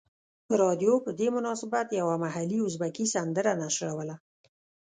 رادیو په دې مناسبت یوه محلي ازبکي سندره نشروله.